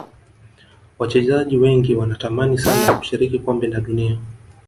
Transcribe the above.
Wachezaji wengi wanatamani sana kushiriki kombe la dunia